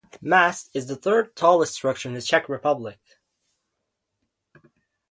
Mast is third tallest structure in the Czech Republic.